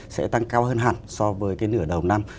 sẽ tăng cao hơn hẳn so với cái nửa đầu năm